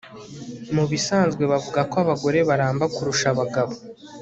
Mubisanzwe bavuga ko abagore baramba kurusha abagabo